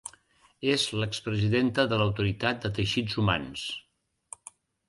És l'expresidenta de l'Autoritat de Teixits Humans.